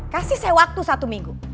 kasih saya waktu satu minggu